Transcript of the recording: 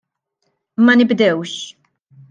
Ma nibdewx!